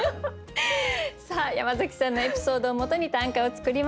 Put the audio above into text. さあ山崎さんのエピソードをもとに短歌を作りました。